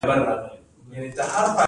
لیزر لیول ځمکه هواروي.